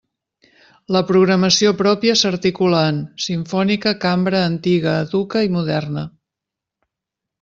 La programació pròpia s'articula en: simfònica, cambra, antiga, educa i moderna.